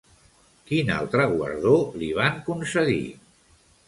Quin altre guardó li van concedir?